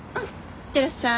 いってらっしゃい。